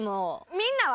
みんなは？